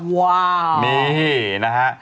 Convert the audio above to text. ว้าวนี่นะฮะ